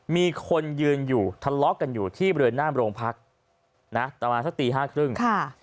มีคนยืนอยู่ทะลอกกันอยู่ที่เบอร์ดน้ำโรงพักเนาะจังหวัดสักตี๕๓๐ปี